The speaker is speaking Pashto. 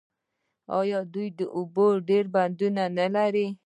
آیا دوی د اوبو ډیر بندونه نلري؟